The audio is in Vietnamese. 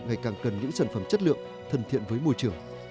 ngày càng cần những sản phẩm chất lượng thân thiện với môi trường